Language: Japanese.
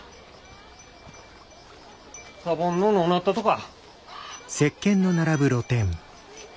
サボンののうなったとか？